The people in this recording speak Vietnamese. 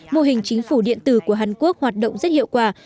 mô hình chính phủ điện tử của hàn quốc hoạt động rất hiệu quả